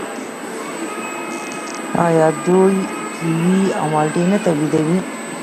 آیا دوی کیوي او مالټې نه تولیدوي؟